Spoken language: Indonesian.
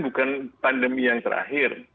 bukan pandemi yang terakhir